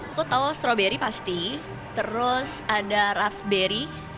aku tahu stroberi pasti terus ada raspberry